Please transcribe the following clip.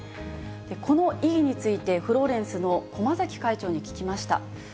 この意義について、フローレンスの駒崎会長に聞きました。